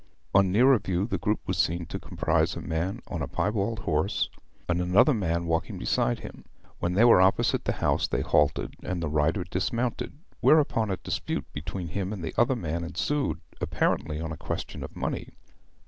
On nearer view the group was seen to comprise a man on a piebald horse, and another man walking beside him. When they were opposite the house they halted, and the rider dismounted, whereupon a dispute between him and the other man ensued, apparently on a question of money.